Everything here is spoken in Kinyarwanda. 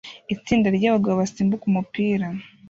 Itsinda ryabagabo basimbuka umupira